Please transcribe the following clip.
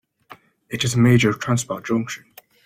It is a major transport junction.